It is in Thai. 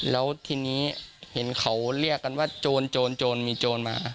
แล้วทีนี้เห็นเขาเรียกกันว่าโจรโจรมีโจรมา